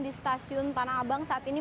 di stasiun tanah abang saat ini